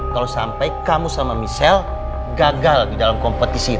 kalau sampai kamu sama michelle gagal di dalam kompetisi itu